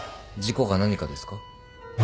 事故か何かですか？